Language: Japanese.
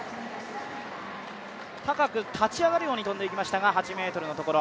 高く立ち上がるように跳んでいきましたが、８ｍのところ。